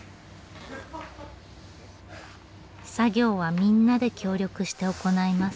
作業はみんなで協力して行います。